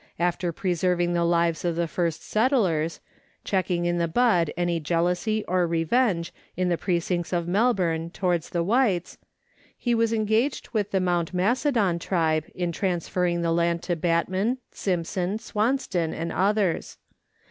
After preserving the lives of the first settlers checking in the bud any jealousy or revenge in the precincts of Melbourne towards the whites he was engaged with the Mount Macedon tribe in trans ferring the land to Batman, Simpson, Swanston, and others.